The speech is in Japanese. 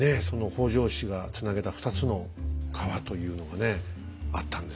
北条氏がつなげた２つの川というのがねあったんですね。